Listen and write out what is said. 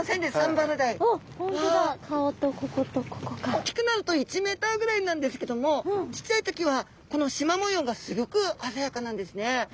大きくなると１ｍぐらいなんですけどもちっちゃい時はこのしま模様がすギョく鮮やかなんですね。